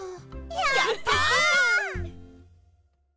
やった！